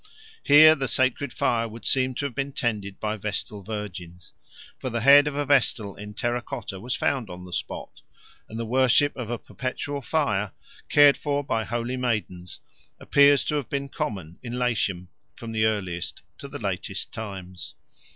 Here the sacred fire would seem to have been tended by Vestal Virgins, for the head of a Vestal in terra cotta was found on the spot, and the worship of a perpetual fire, cared for by holy maidens, appears to have been common in Latium from the earliest to the latest times.